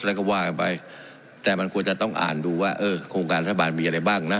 แล้วก็ว่ากันไปแต่มันควรจะต้องอ่านดูว่าเออโครงการรัฐบาลมีอะไรบ้างนะ